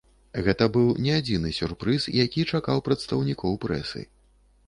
Гэта быў не адзіны сюрпрыз, які чакаў прадстаўнікоў прэсы.